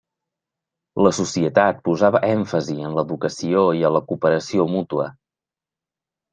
La societat posava èmfasi en l'educació i en la cooperació mútua.